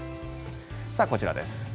こちらです。